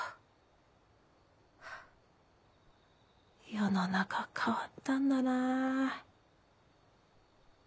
世の中変わったんだなぁ！